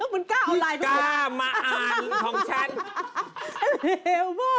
มึงกล้าเอาไลน์พูดไหมกล้ามาอ่านของฉัน